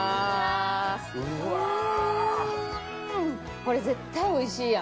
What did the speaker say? これ絶対おいしいやん。